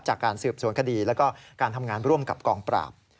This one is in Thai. จากการสืบสวนคดีแล้วก็การทำงานร่วมกับกองปราบ